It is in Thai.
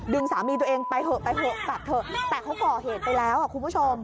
ดึงสามีตัวเองไปเถอะไปเถอะแตะเขาก่อเหตุไปแล้วคุณผู้ชม